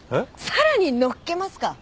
さらに乗っけますか？